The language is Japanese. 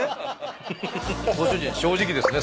ご主人正直ですね